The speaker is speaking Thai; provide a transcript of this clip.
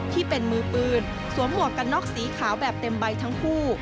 ที่เป็นมือปืนสวมหมวกกันน็อกสีขาวแบบเต็มใบทั้งคู่